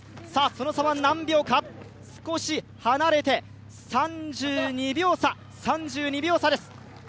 その差は何秒か、少し離れて３２秒差です。